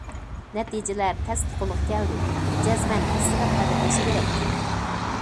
نەتىجىلەر تەستە قولغا كەلدى، جەزمەن ھەسسىلەپ قەدىرلەش كېرەك.